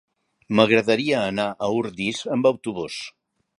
M'agradaria anar a Ordis amb autobús.